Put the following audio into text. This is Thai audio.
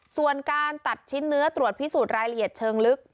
ส่วนการตัดชิ้นเนื้อตรวจพิสูจน์รายละเอียดเชิงลึก